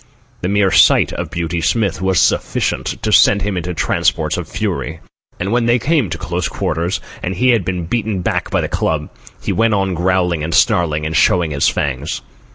The mere sight of Beauty Smith was sufficient to send him into transports of fury. And when they came to close quarters, and he had been beaten back by the club, he went on growling and snarling, and showing his fangs.